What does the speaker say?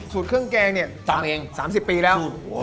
สูตรเครื่องแกงเนี่ย๓๐ปีแล้ว